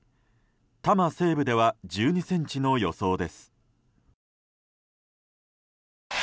多摩西部では１２ｃｍの予想です。